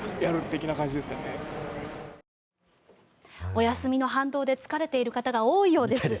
お休みの反動で疲れている方が多いようです。